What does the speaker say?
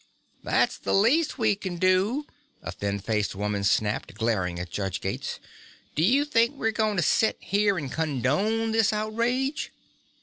"That's the least we can do," a thin faced woman snapped, glaring at Judge Gates. "Do you think we're going to set here and condone this outrage?"